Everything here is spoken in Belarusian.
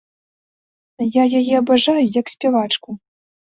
Я яе абажаю як спявачку.